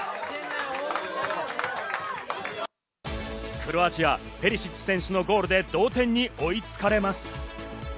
クロアチアのペリシッチ選手のゴールで同点に追いつかれます。